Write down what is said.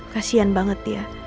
kasian banget ya